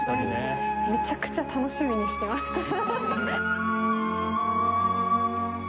めちゃくちゃ楽しみにしてました。